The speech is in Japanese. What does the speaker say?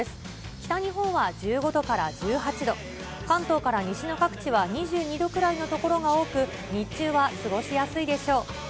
北日本は１５度から１８度、関東から西の各地は２２度くらいの所が多く、日中は過ごしやすいでしょう。